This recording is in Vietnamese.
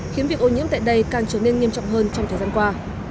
khiến việc ô nhiễm tại đây càng trở nên nghiêm trọng hơn trong thời gian qua